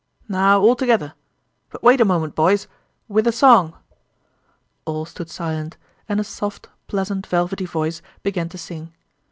"Now, all together! But wait a moment, boys... With a song!" All stood silent, and a soft, pleasant velvety voice began to sing.